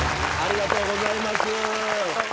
ありがとうございます。